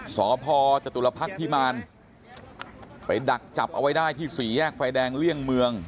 สพจตุลพักษ์พิมารไปดักจับเอาไว้ได้ที่สี่แยกไฟแดงเลี่ยงเมือง